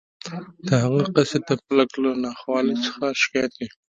د هغه قصیده د فلک له ناخوالو څخه شکایت کوي